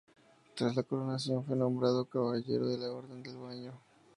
Tras la coronación, fue nombrado caballero de la Orden del Baño.